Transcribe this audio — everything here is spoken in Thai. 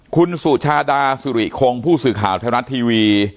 คุณสุชาดาสุริคงผู้สื่อข่าวไทยรัฐทีวี